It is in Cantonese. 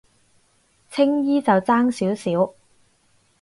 青衣就爭少少